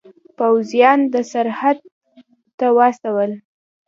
پوځیان سرحد ته واستول.